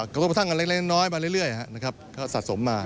กระทบสร้างกันเล็กเล็กน้อยมาเรื่อยเรื่อยฮะนะครับเขาสะสมมานะครับ